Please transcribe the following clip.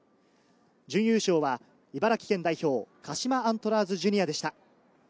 準優勝は茨城県代表・鹿島アントラーズジュニアでした。